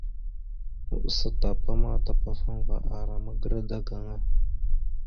Maɓəsa tapa ma tapafaŋava ara magəra daga aŋa.